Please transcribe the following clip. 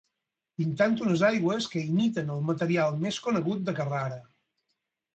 Pintant unes aigües que imiten el material més conegut de Carrara.